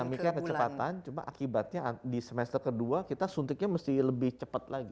dinamika kecepatan cuma akibatnya di semester kedua kita suntiknya mesti lebih cepat lagi